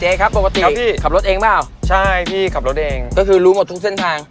ครับปกติครับพี่ขับรถเองเปล่าใช่พี่ขับรถเองก็คือรู้หมดทุกเส้นทาง